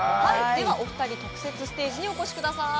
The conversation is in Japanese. お二人特設ステージにお越しください。